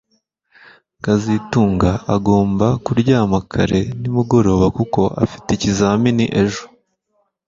kazitunga agomba kuryama kare nimugoroba kuko afite ikizamini ejo